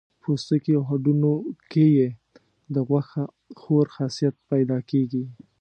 پوستکي او هډونو کې یې د غوښه خور خاصیت پیدا کېږي.